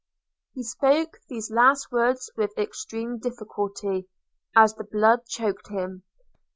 He spoke these last words with extreme difficulty, as the blood choked him.